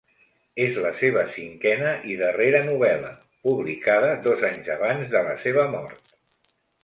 És la seva cinquena i darrera novel·la, publicada dos anys abans de la seva mort.